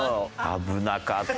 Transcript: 危なかった。